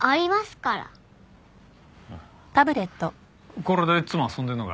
これでいっつも遊んでるのか？